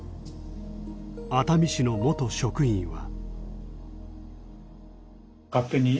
熱海市の元職員は。